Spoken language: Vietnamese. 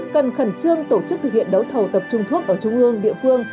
cần khẩn trương tổ chức thực hiện đấu thầu tập trung thuốc ở trung ương địa phương